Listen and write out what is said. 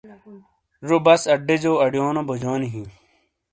ڙو بس اڈا جو اڑیونو بوجونی ہی۔